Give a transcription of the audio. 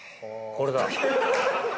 これだ。